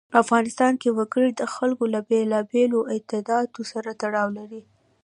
افغانستان کې وګړي د خلکو له بېلابېلو اعتقاداتو سره تړاو لري.